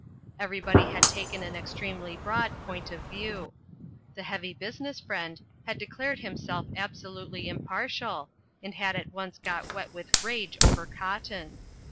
Everybody had taken an extremely broad point of view. The Heavy Business Friend had declared himself absolutely impartial and had at once got wet with rage over cotton.